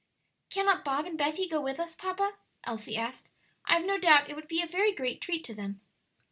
"Cannot Bob and Betty go with us, papa?" Elsie asked. "I have no doubt it would be a very great treat to them."